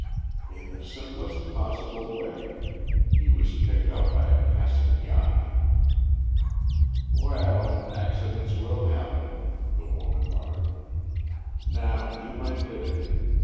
"In the simplest possible way. He was picked up by a passing yacht." "Well, accidents will happen," the woman muttered. "Now do my bidding.